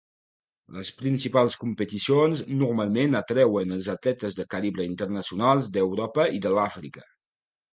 Les principals competicions normalment atreuen els atletes de calibre internacional d'Europa i de l'Àfrica.